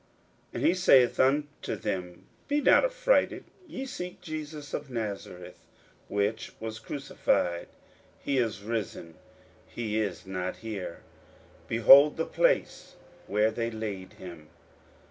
41:016:006 And he saith unto them, Be not affrighted: Ye seek Jesus of Nazareth, which was crucified: he is risen; he is not here: behold the place where they laid him.